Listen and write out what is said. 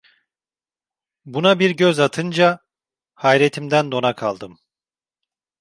Buna bir göz atınca hayretimden donakaldım.